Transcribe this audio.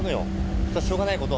それはしょうがないこと。